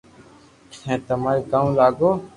ھون تماري ڪاو لاگو